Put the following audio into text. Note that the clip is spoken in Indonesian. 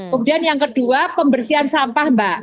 kemudian yang kedua pembersihan sampah mbak